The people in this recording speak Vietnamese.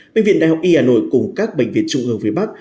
bệnh viện đại học y hà nội cùng các bệnh viện trung ương phía bắc